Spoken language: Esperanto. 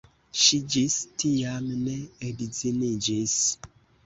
Ŝi ĝis tiam ne edziniĝis.